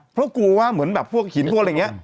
เพราะกลัวว่าเหมือนแบบพวกหินพวกอะไรอย่างนี้